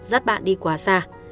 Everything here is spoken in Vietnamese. dắt bạn đi quá xa